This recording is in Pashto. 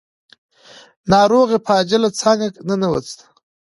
ناروغ يې په عاجله څانګه ننوېست.